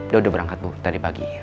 dia udah berangkat bu tadi pagi